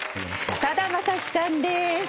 さだまさしさんです。